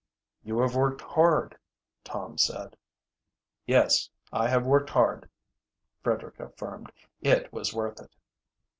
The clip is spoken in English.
"You have worked hard," Tom said. "Yes, I have worked hard," Frederick affirmed. "It was worth it."